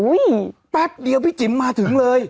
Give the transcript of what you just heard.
แป๊บเดียวพี่จิ๋มมาถึงเลย